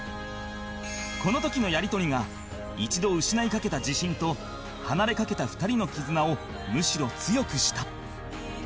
この時のやり取りが一度失いかけた自信と離れかけた２人の絆をむしろ強くした